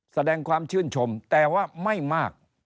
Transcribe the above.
แสดงความชื่นชมแต่ว่าไม่มาก